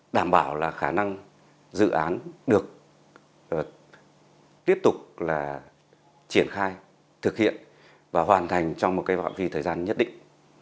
đảm bảo là khả năng dự án được tiếp tục là triển khai thực hiện và hoàn thành trong một cái vạn vi thời gian nhất định